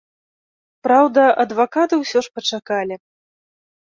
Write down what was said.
Праўда, адваката ўсё ж пачакалі.